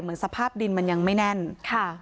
สภาพดินมันยังไม่แน่นค่ะ